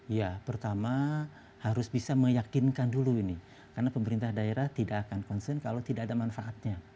iya pertama harus bisa meyakinkan dulu ini karena pemerintah daerah tidak akan concern kalau tidak ada manfaatnya